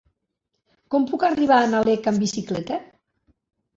Com puc arribar a Nalec amb bicicleta?